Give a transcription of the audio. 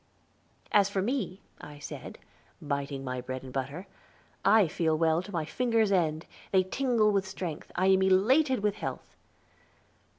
"As for me," I said, biting my bread and butter, "I feel well to my fingers' ends; they tingle with strength. I am elated with health."